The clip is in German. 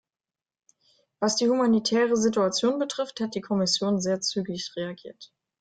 Was die humanitäre Situation betrifft, hat die Kommission sehr zügig reagiert.